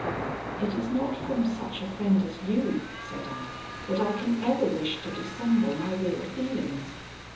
'It is not from such a friend as you,' said I, 'that I can ever wish to dissemble my real feelings.